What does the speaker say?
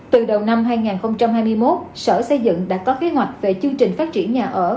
từ đầu năm hai nghìn hai mươi một sở xây dựng đã có kế hoạch về chương trình phát triển nhà ở